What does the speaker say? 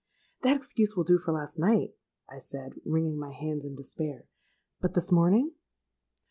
'—'That excuse will do for last night,' I said, wringing my hands in despair: 'but this morning?'